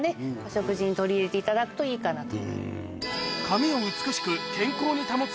食事に取り入れていただくといいかなと。